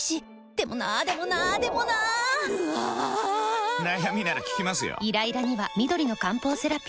でもなーでもなーでもなーぬあぁぁぁー！！！悩みなら聞きますよ。